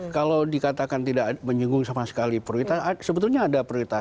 kalau dikatakan tidak menyinggung sama sekali prioritas sebetulnya ada prioritas